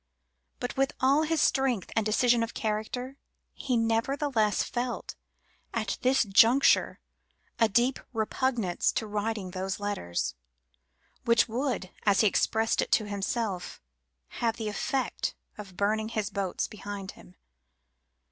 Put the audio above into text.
But, with all his strength and decision of character, he nevertheless felt, at this juncture, a deep repugnance to writing those letters, which would, as he expressed it to himself, have the effect of burning his boats behind him.